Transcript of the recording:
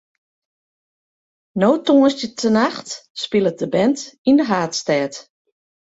No tongersdeitenacht spilet de band yn de haadstêd.